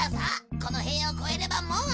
この塀を越えればもう安心だ。